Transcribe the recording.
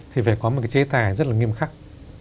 thì phải có một cái chế tài rất là nghiêm khắc